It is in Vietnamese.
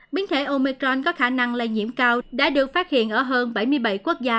biến thể omecron có khả năng lây nhiễm cao đã được phát hiện ở hơn bảy mươi bảy quốc gia